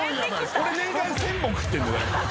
俺年間１０００本食ってるのよ。